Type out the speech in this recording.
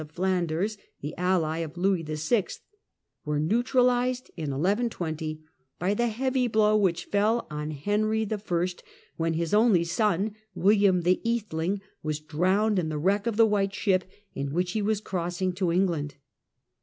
of Flanders, the ally of Louis VL, were neutralized in 1120 by the heavy blow which fell on Henry L, when his only son William the ^theling was drowned in the wreck of the White Ship in which he was crossing to England.